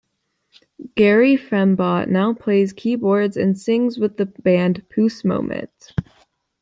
Gary Fembot now plays keyboards and sings with the band Puce Moment.